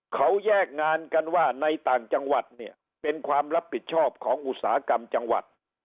เขาแยกงานกันว่าในต่างจังหวัดเนี่ยเป็นความรับผิดชอบของอุตสาหกรรมจังหวัด